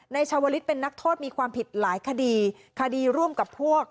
ชาวลิศเป็นนักโทษมีความผิดหลายคดีคดีร่วมกับพวก